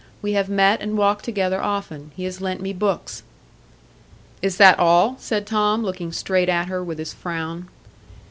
We have met and walked together often. He has lent me books." "Is that all?" said Tom, looking straight at her with his frown.